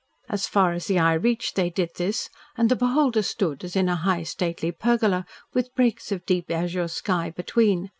As far as the eye reached, they did this, and the beholder stood as in a high stately pergola, with breaks of deep azure sky between.